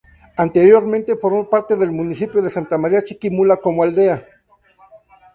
Anteriormente formó parte del municipio de Santa María Chiquimula como aldea.